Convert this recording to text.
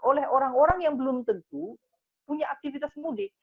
oleh orang orang yang belum tentu punya aktivitas mudik